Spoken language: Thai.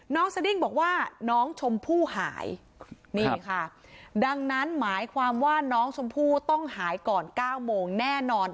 สดิ้งบอกว่าน้องชมพู่หายนี่ค่ะดังนั้นหมายความว่าน้องชมพู่ต้องหายก่อน๙โมงแน่นอน